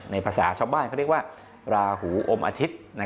ภาษาชาวบ้านเขาเรียกว่าราหูอมอาทิตย์